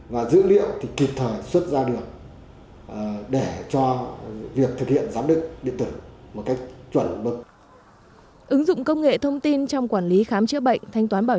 và khi chất lượng y tế địa phương được nâng cao